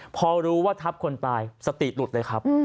พอรู้ว่าทับคนตายสติหลุดเลยครับ